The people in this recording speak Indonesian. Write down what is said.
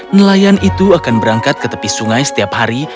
nelayan itu akan berangkat ke tepi sungai setiap hari